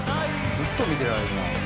「ずっと見てられるな」